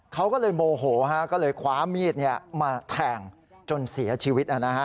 เขาก็เลยโมโหก็เลยคว้ามีดมาแทงจนเสียชีวิต